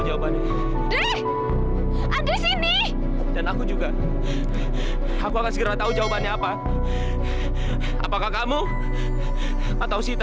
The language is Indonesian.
jawabannya ada sini dan aku juga aku akan segera tahu jawabannya apa apakah kamu atau siti